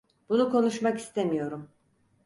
Bunu konuşmak istemiyorum.